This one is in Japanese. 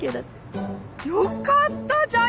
よかったじゃん！